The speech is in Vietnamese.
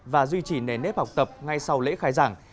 và duy trì nền nếp học tập ngay sau lễ khai giảng